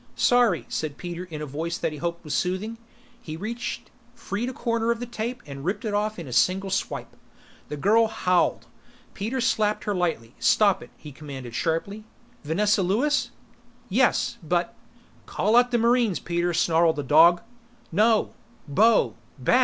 "Sorry," said Peter in a voice that he hoped was soothing. He reached, freed a corner of the tape and ripped it off in a single swipe. The girl howled. Peter slapped her lightly. "Stop it!" he commanded sharply. "Vanessa Lewis?" "Yes, but " "Call out the marines, Peter," snarled the dog. "No! Bo!